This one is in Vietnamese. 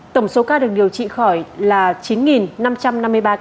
tổng số ca được điều trị khỏi là chín năm trăm năm mươi ba ca